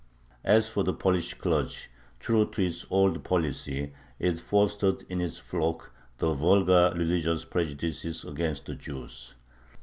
As for the Polish clergy, true to its old policy it fostered in its flock the vulgar religious prejudices against the Jews.